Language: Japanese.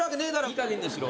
いいかげんにしろ。